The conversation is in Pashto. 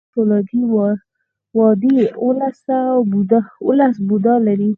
د بامیانو فولادي وادي اوولس بودا لري